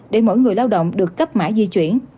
để mỗi người lao động được cấp mã di chuyển